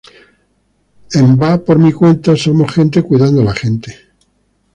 En Va por mi Cuenta somos gente cuidando a la gente.